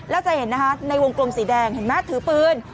แล้วจะเห็นนะคะในวงกลมสีแดงเห็นไหมถือปืน